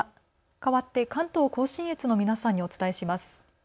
かわって関東甲信越の皆さんにお伝えします。